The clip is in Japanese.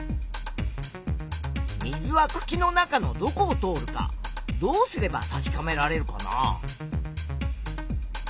水はくきの中のどこを通るかどうすれば確かめられるかな？